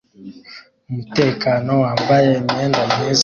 umutekano wambaye imyenda myiza